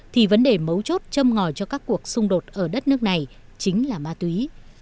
thì vấn đề mấu chốt châm ngòi cho các cuộc xung đột ở đất nước này chính là ma túy